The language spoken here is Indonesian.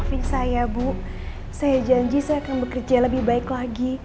fee saya bu saya janji saya akan bekerja lebih baik lagi